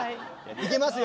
いきますよ！